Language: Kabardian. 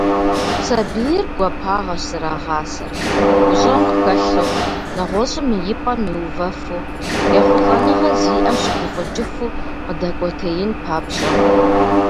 Сабийр гуапагъэщ зэрагъасэр, гущӏэгъу хэлъу, нэгъуэщӏым и пӏэм иувэфу, ехъулӏэныгъэ зиӏэм щыгуфӏыкӏыфу къыдэкӏуэтеин папщӏэ.